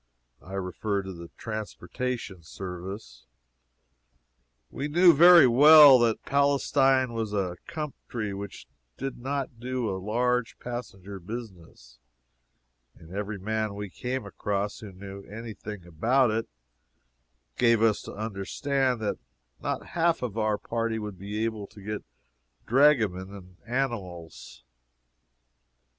I refer to transportation service. We knew very well that Palestine was a country which did not do a large passenger business, and every man we came across who knew any thing about it gave us to understand that not half of our party would be able to get dragomen and animals.